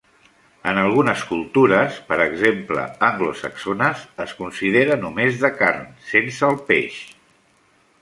En algunes cultures -per exemple, anglosaxones- es considera només de carn, sense el peix.